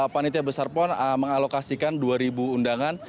panitia besar pon mengalokasikan dua ribu undangan